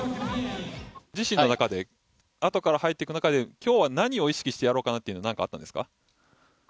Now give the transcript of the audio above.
自身の中で、あとから入っていく中で今日は何を意識してやろうというのはあったんですか。